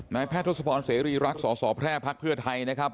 นายแพทย์ทรศพรเสรีรีรักษ์สศพรพพะเภอไทยนะครับ